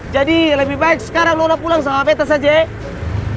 jadi lebih baik sekarang nona pulang sama beta saja ya